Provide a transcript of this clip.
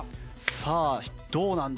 さあどうなんだ？